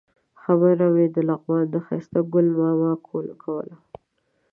خبره مې د لغمان د ښایسته ګل ماما کوله.